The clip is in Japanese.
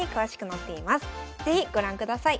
是非ご覧ください。